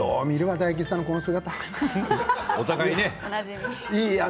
大吉さんのこの姿。